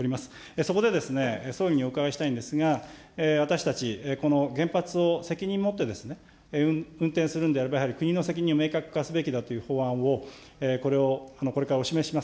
そこで総理にお伺いしたいんですが、私たち、この原発を責任持って運転するんであれば、やはり国の責任を明確化するべき法案をこれを、これからお示しします。